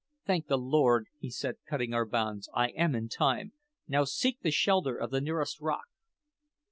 "Thank the Lord," he said, cutting our bonds, "I am in time! Now, seek the shelter of the nearest rock."